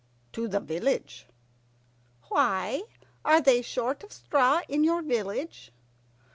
"To the village." "Why, are they short of straw in your village?"